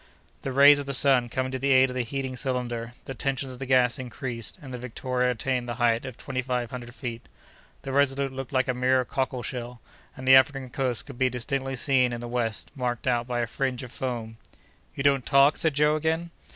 The rays of the sun coming to the aid of the heating cylinder, the tension of the gas increased, and the Victoria attained the height of twenty five hundred feet. The Resolute looked like a mere cockle shell, and the African coast could be distinctly seen in the west marked out by a fringe of foam. "You don't talk?" said Joe, again.